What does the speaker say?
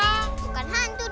bukan hantu dong